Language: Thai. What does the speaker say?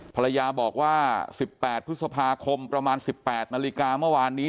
ภรรยาบอกว่า๑๘พฤษภาคมประมาณ๑๘นาฬิกาเมื่อวานนี้